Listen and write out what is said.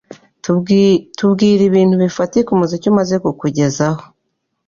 Tubwire ibintu bifatika umuziki umaze kukugezaho